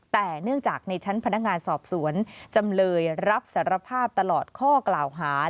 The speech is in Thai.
แต่เนื่องจากในชั้นพนักงานสอบสวนจำเลยรับสารภาพตลอดข้อกล่าวหา